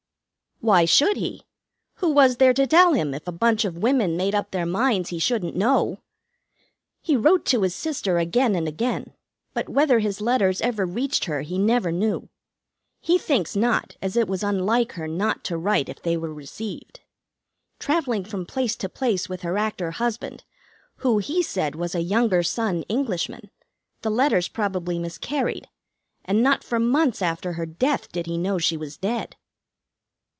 "Why should he? Who was there to tell him, if a bunch of women made up their minds he shouldn't know? He wrote to his sister again and again, but whether his letters ever reached her he never knew. He thinks not, as it was unlike her not to write if they were received. "Travelling from place to place with her actor husband, who, he said, was a 'younger son Englishman,' the letters probably miscarried, and not for months after her death did he know she was dead."